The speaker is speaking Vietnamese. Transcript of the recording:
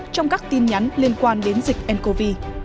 trong các tin nhắn liên quan đến dịch ncov